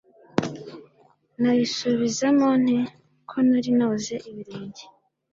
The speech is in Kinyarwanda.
nayisubizamo nte? ko nari noze ibirenge